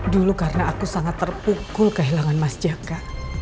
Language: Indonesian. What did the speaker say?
dulu karena aku sangat terpukul kehilangan mas jaka